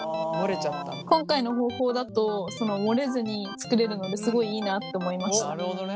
今回の方法だと漏れずに作れるのですごいいいなと思いました。